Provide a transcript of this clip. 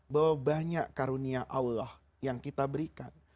bahwa banyak karunia allah yang kita berikan